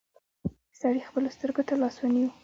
سړي خپلو سترګو ته لاس ونيو.